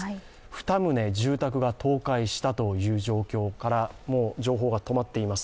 ２棟住宅が倒壊したという情報から情報が止まっています